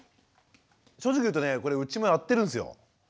正直言うとねこれうちもやってるんすよ。